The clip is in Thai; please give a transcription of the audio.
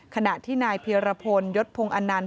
ขณะที่นายเพียรพลยศพงศ์อนันต์